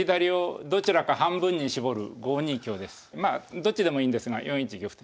どっちでもいいんですが４一玉と。